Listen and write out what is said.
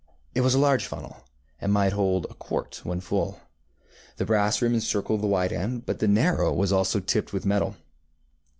It was a large funnel, and might hold a quart when full. The brass rim encircled the wide end, but the narrow was also tipped with metal.